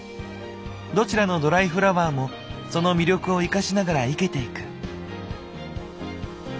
どちらのドライフラワーもその魅力を生かしながら生けていく。